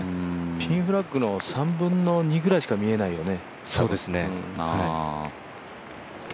ピンフラッグの３分の２しか見えないよね。